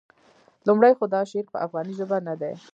لومړی خو دا شعر په افغاني ژبه نه دی.